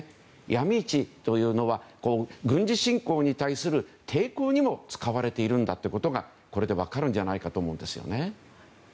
ヤミ市というのは軍事侵攻に対する抵抗にも使われているということがこれで分かるんじゃないかと思います。